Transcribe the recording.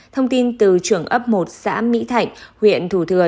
thông tin từ trưởng ấp một xã mỹ thạnh huyện thủ thừa